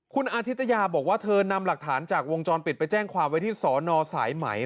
คุณอาทิตยาบอกว่าเธอนำหลักฐานจากวงจรปิดไปแจ้งความไว้ที่สอนอสายไหม